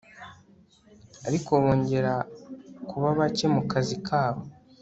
ariko bongera kuba bake mukazi kabo